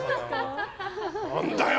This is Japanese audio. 何だよ！